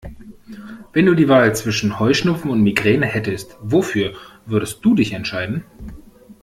Wenn du die Wahl zwischen Heuschnupfen und Migräne hättest, wofür würdest du dich entscheiden?